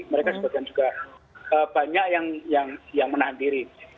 mereka sebagian juga banyak yang menahan diri